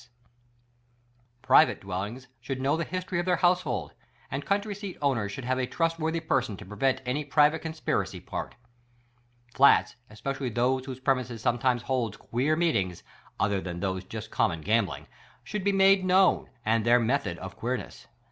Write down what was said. S. S. Private dwellings should know the history of their household ; and country seat owners should have a trustworthy person to prevent tany private conspiracy pact. Flats, especially those whose premises som.etimes ho'lds queer meetings — other th an for just common gambling— ishould be made known, and their method of queerness.